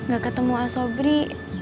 gak ketemu asobri